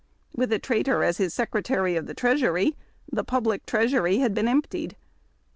With a traitor as Secretar}' of the Treasury, the public treasury had been emptied.